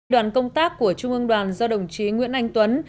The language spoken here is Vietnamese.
đoàn công tác của trung ương đoàn do đồng chí nguyễn anh tuấn